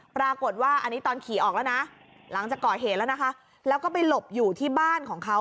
ปรากฏว่าอันนี้ตอนขี่ออกแล้วนะหลังจากก่อเหตุแล้วนะคะแล้วก็ไปหลบอยู่ที่บ้านของเขา